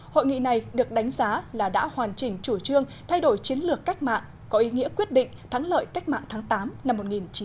hội nghị này được đánh giá là đã hoàn chỉnh chủ trương thay đổi chiến lược cách mạng có ý nghĩa quyết định thắng lợi cách mạng tháng tám năm một nghìn chín trăm bốn mươi năm